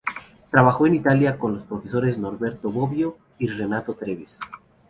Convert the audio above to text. Trabajó en Italia con los profesores Norberto Bobbio y Renato Treves.